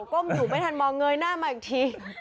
้มอยู่ไม่ทันมองเงยหน้ามาอีกที